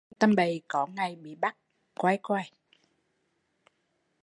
Hắn làm tầm bậy có ngày bị bắt, coi coi!